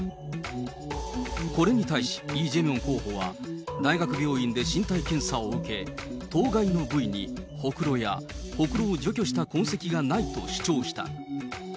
これに対し、イ・ジェミョン候補は、大学病院で身体検査を受け、当該の部位にほくろやほくろを除去した痕跡がないと主張した。